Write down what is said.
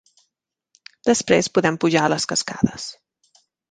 Després podem pujar a les cascades.